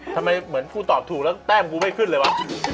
ทำไมเหมือนกูตอบถูกแล้วแต้มกูไม่ขึ้นเลยวะ